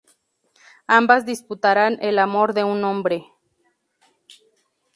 Ambas disputarán el amor de un hombre.